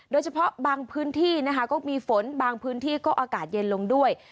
โดยเฉพาะบางพื้นที่นะคะก็มีฝนบางพื้นที่ก็อากาศเย็นลงด้วย